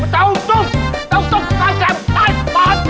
เจ้าซุ่มเจ้าซุ่มตามแกงปวด